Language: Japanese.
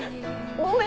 ごめん。